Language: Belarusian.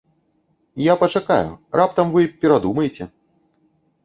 Я пачакаю, раптам вы перадумаеце.